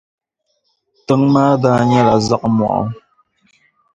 Tiŋ' maa daa nyɛla zaɣ' mɔɣu.